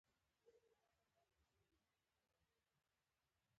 لاره بنده وه او بس په لار کې ولاړ و.